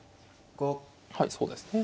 はいそうですね。